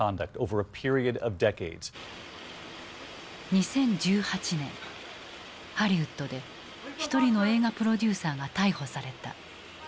２０１８年ハリウッドで一人の映画プロデューサーが逮捕された。